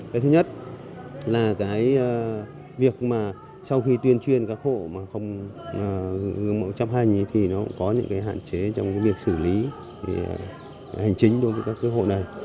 cái thứ nhất là cái việc mà sau khi tuyên truyền các hộ mà không gương mẫu chấp hành thì nó cũng có những cái hạn chế trong việc xử lý hành chính đối với các hộ này